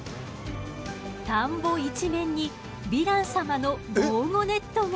田んぼ一面にヴィラン様の防護ネットが。